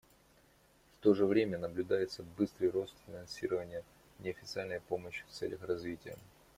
В то же время наблюдается быстрый рост финансирования неофициальной помощи в целях развития.